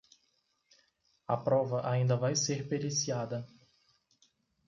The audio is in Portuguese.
A prova ainda vai ser periciada.